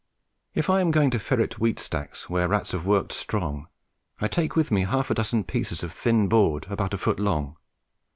If I am going to ferret wheat stacks where rats have worked strong, I take with me half a dozen pieces of thin board about a foot long.